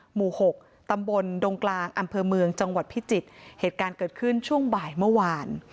หกตำบลดงกลางอำเภอเมืองจังหวัดพิจิตรเหตุการณ์เกิดขึ้นช่วงบ่ายเมื่อวาน